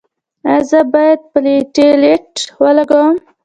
ایا زه باید پلیټلیټ ولګوم؟